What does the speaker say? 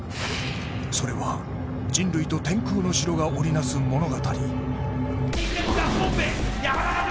それは人類と天空の城が織りなす物語。